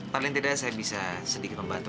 paling tidak saya bisa sedikit membantu